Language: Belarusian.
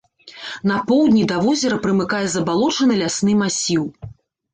На поўдні да возера прымыкае забалочаны лясны масіў.